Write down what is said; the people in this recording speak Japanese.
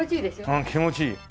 うん気持ちいい。